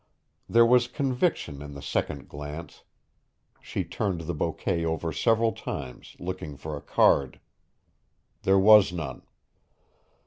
There was conviction in the second glance. She turned the bouquet over several times, looking for a card. There was none.